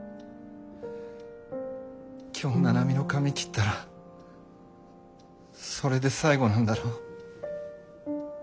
今日七海の髪切ったらそれで最後なんだろ？